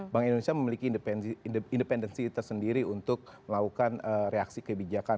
bank indonesia memiliki independensi tersendiri untuk melakukan reaksi kebijakan